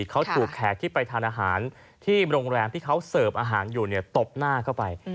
เขาถูกแขกที่ไปทานอาหารที่โรงแรมที่เขาเสิร์ฟอาหารอยู่ตบหน้าเข้าไป